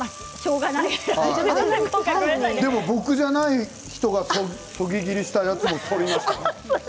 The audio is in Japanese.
でも、僕じゃない人がそぎ切りしたやつも反りました。